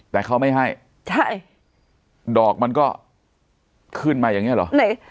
แต่เขาไม่ให้ใช่ดอกมันก็ขึ้นมาอย่างเงี้เหรอไหน